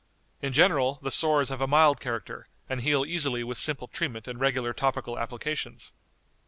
In general, the sores have a mild character, and heal easily with simple treatment and regular topical applications.